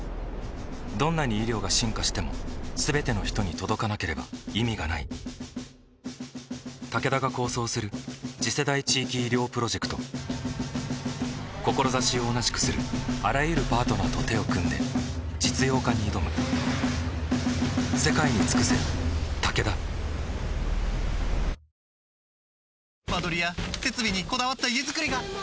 どんなに医療が進化しても全ての人に届かなければ意味がないタケダが構想する次世代地域医療プロジェクト志を同じくするあらゆるパートナーと手を組んで実用化に挑むやさしいマーン！！